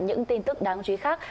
những tin tức đáng chú ý khác